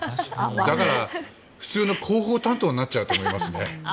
だから、普通の広報担当になっちゃうと思いますね。